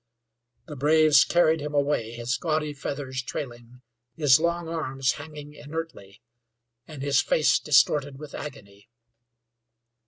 The braves carried him away, his gaudy feathers trailing, his long arms hanging inertly, and his face distorted with agony.